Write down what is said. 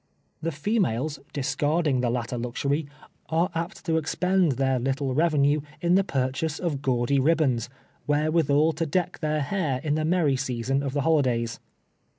The females, discard ing the latter luxury, are apt to expend their little 196 TWELVE TEAKS A SLAVE. revenue in the purcluisc of gaudy ribbons, wherewithal to deck their hair in the merry season of the holidays.